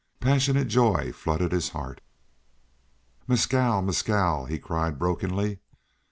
Passionate joy flooded his heart. "Mescal Mescal!" he cried, brokenly.